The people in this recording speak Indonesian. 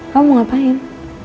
kamu mau ngapain